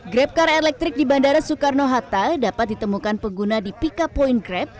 grab kar elektrik di bandara soekarno hatta dapat ditemukan pengguna di pika point grab